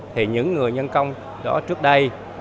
thì những người nhân công đó trước đây